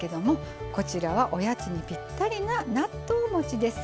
こちらはおやつにぴったりな納豆もちです。